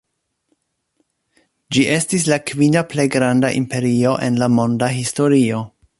Ĝi estis la kvina plej granda imperio en la monda historio.